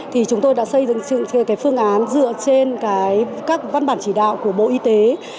thì chúng tôi đã xây dựng cái phương án dựa trên các văn bản chỉ đạo của bộ y tế